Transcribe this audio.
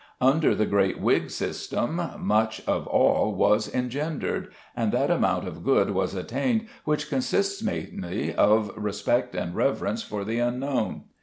Under the great wig system much of awe was engendered, and that amount of good was attained which consists mainly of respect and reverence for the unknown.